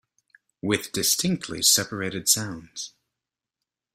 With distinctly separated sounds.